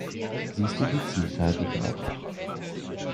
Siehst du die Zielscheibe dort?